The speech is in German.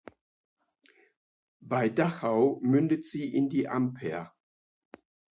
Bei Dachau mündet sie in die Amper.